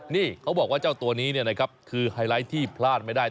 นี่เขาบอกว่าเจ้าตัวนี้เนี่ยนะครับคือไฮไลท์ที่พลาดไม่ได้